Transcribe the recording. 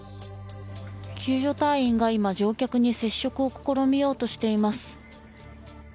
救助隊員が今、乗客に接触を試みようとしています。